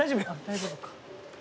大丈夫か。